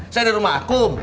saya di rumah akum